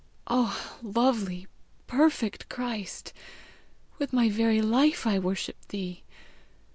O lovely, perfect Christ! with my very life I worship thee!